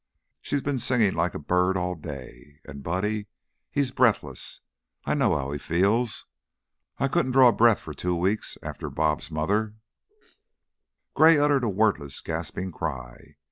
She's been singing like a bird all day. And Buddy! He's breathless. I know how he feels. I couldn't draw a full breath for two weeks after 'Bob's' mother " Gray uttered a wordless, gasping cry.